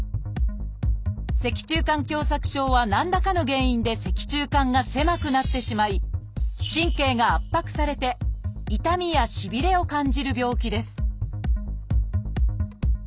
「脊柱管狭窄症」は何らかの原因で脊柱管が狭くなってしまい神経が圧迫されて痛みやしびれを感じる病気です